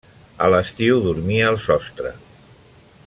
A l'estiu dormia al sostre.